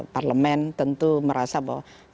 parlemen tentu merasa bahwa